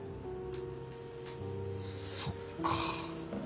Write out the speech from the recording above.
そっか。